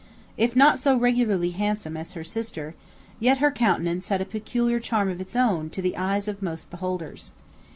If not so regularly handsome as her sister, yet her countenance had a peculiar charm of its own to the eyes of most beholders.